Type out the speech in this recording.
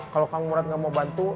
kalau kang murad gak mau bantu